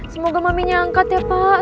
semoga maminya angkat ya pak